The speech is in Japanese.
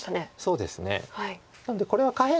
そうですね。